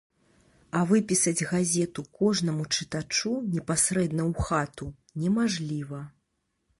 А выпісаць газету кожнаму чытачу непасрэдна ў хату немажліва.